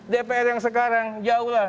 dpr yang sekarang jauh lah